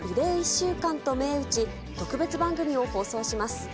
１週間と銘打ち、特別番組を放送します。